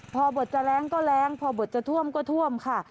พอบทจะแรงก็แรงพอบทจะท่วมก็ท่วมค่ะ